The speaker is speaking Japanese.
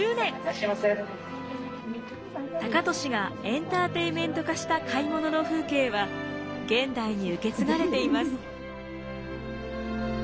高利がエンターテインメント化した買い物の風景は現代に受け継がれています。